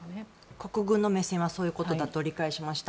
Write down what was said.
国軍の目線はそういうことだと理解しました。